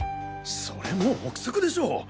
それも憶測でしょう。